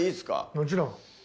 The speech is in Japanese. もちろん。